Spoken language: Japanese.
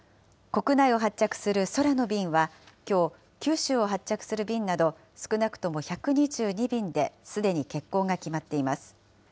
国内を発着する空の便はきょう、九州を発着する便など、少なくとも１２２便ですでに欠航が決まっています。